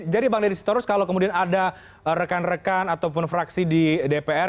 jadi bang dedy sitorus kalau kemudian ada rekan rekan ataupun fraksi di dpr